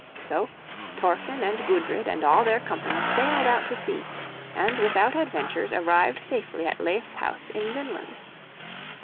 So Thorfinn and Gudrid and all their company sailed out to sea, and without adventures arrived safely at Leif's house in Vineland.